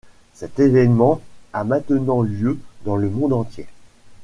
Cet événement a maintenant lieu dans le monde entier.